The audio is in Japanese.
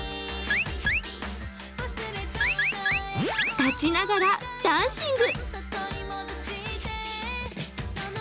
立ちながらダンシング。